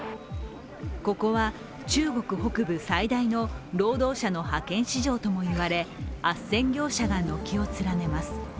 ここは中国北部最大の労働者の派遣市場ともいわれあっせん業者が軒を連ねます。